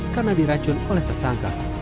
karena diracun oleh tersangka